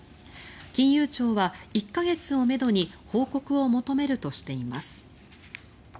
金融庁は１か月をめどに報告を求めるとしています。